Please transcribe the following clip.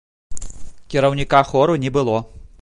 Кіраўніка хору не было.